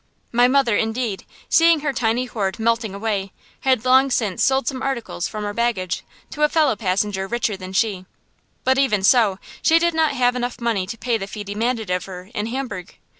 My mother, indeed, seeing her tiny hoard melting away, had long since sold some articles from our baggage to a fellow passenger richer than she, but even so she did not have enough money to pay the fee demanded of her in Hamburg.